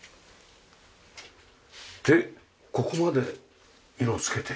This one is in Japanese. ここまで色付けて？